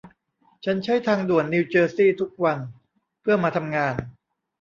ฉันใช้ทางด่วนนิวเจอร์ซี่ทุกวันเพื่อมาทำงาน